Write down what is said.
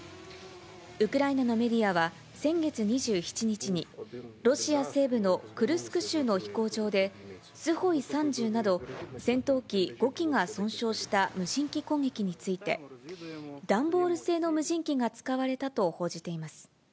ウクライナのメディアは先月２７日に、ロシア西部のクルスク州の飛行場で、スホイ３０など戦闘機５機が損傷した無人機攻撃について、段ボール製の無人機が使われたと報じています。